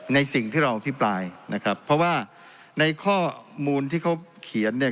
สิ่งที่เราอภิปรายนะครับเพราะว่าในข้อมูลที่เขาเขียนเนี่ย